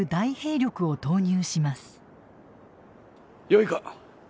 よいか。